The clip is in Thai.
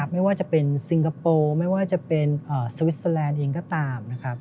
ไม่ว่าจะเป็นซิงคโปร์ไม่ว่าจะเป็นสวิสเตอร์แลนด์เองก็ตามนะครับ